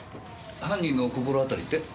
犯人の心当たりって？